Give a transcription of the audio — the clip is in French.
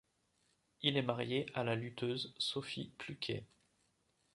Il est marié à la lutteuse Sophie Pluquet.